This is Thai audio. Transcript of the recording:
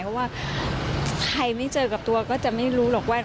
เพราะว่าใครไม่เจอกับตัวก็จะไม่รู้หรอกว่า